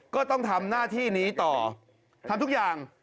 ก็ต้องทำหน้าที่นี้ต่อทำทุกอย่าง